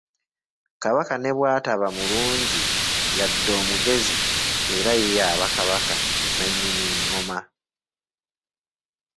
Kabaka ne bw'ataba mulungi yadde omugezi, era ye aba Kabaka nannyini nnoma.